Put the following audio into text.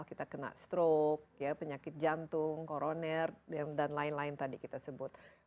kita kena stroke penyakit jantung koroner dan lain lain tadi kita sebut